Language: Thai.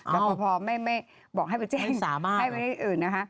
เราพอไม่บอกให้ไปแจ้งให้ไปที่อื่นนะคะอ๋อ